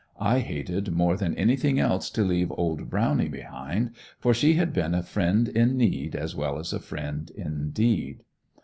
I hated more than anything else to leave old "Browny" behind for she had been a friend in need as well as a friend indeed.